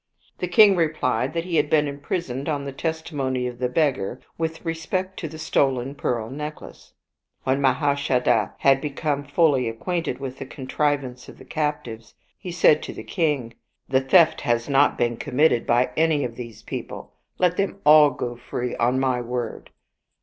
The king replied that he had been imprisoned on the testimony of the beggar with respect to the stolen pearl necklace. When Mahaushadha had become fully ac quainted with the contrivance of the captives, he said to the king, " The theft has not been committed by any of these 197 Oriental Mystery Stories people. Let them all go free on my word."